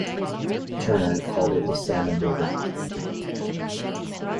Turner called it the Salmon River.